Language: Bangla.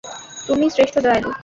তুমিই শ্রেষ্ঠ দয়ালু।